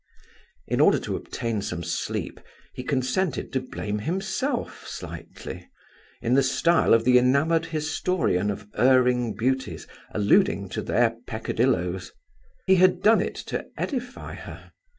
In order to obtain some sleep, he consented to blame himself slightly, in the style of the enamoured historian of erring beauties alluding to their peccadilloes. He had done it to edify her.